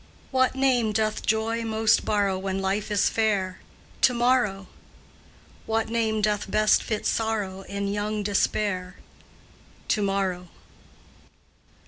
What name doth Joy most borrow When life is fair? "To morrow." What name doth best fit Sorrow In young despair? "To morrow."